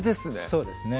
そうですね